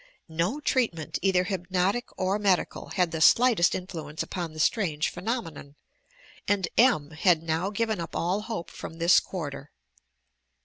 No treatment, either hypnotic or medical, had the slightest influence upon the strange phenomenon, and M. had now given up all hope from this quarter.